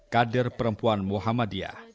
kader perempuan muhammadiyah